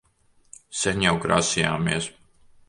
Sen jau grasījāmies...